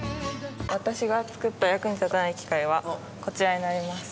私が作った役に立たない機械はこちらになります。